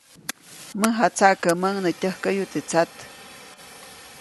Mäjatsaʼkäʼmäʼuŋ nä tyäjkäyu teʼ tsat.